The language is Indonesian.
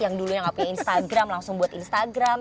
yang dulunya nggak punya instagram langsung buat instagram